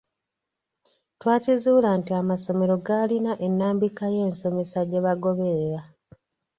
Twakizuula nti amasomero gaalina ennambika y’ensomesa gye bagoberera.